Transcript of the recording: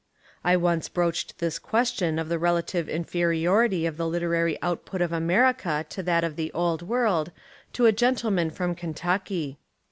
I once broached this question of the relative inferiority of the literary output of America to that of the old world to a gentleman from Kentucky.